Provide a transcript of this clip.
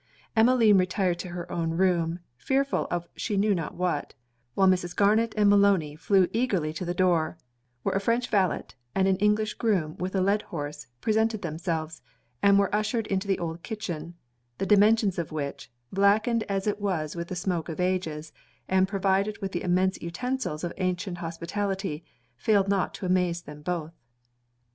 Emmeline retired to her own room, fearful of she knew not what; while Mrs. Garnet and Maloney flew eagerly to the door; where a French valet, and an English groom with a led horse, presented themselves, and were ushered into the old kitchen; the dimensions of which, blackened as it was with the smoke of ages, and provided with the immense utensils of ancient hospitality, failed not to amaze them both.